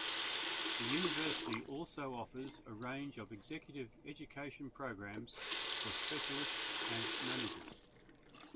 The University also offers a range of executive education programmes for specialists and managers.